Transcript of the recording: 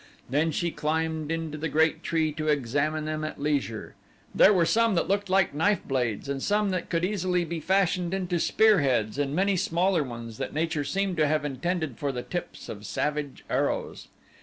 Then she climbed into the great tree to examine them at leisure. There were some that looked like knife blades, and some that could easily be fashioned into spear heads, and many smaller ones that nature seemed to have intended for the tips of savage arrows.